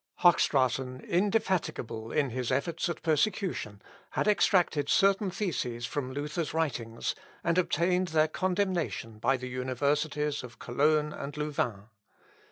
Hochstraten, indefatigable in his efforts at persecution, had extracted certain theses from Luther's writings, and obtained their condemnation by the universities of Cologne and Louvain.